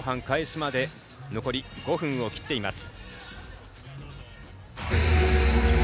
後半開始まで残り５分を切っています。